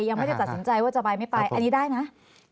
ยังไม่ได้ตัดสินใจว่าจะไปไม่ไปอันนี้ได้นะ